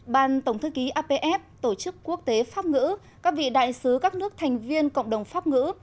ban tổng thư ký apf tổ chức quốc tế pháp ngữ các vị đại sứ các nước thành viên cộng đồng pháp ngữ